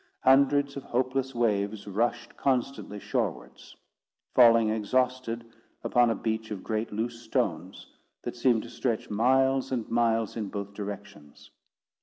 Hundreds of hopeless waves rushed constantly shorewards, falling exhausted upon a beach of great loose stones, that seemed to stretch miles and miles in both directions.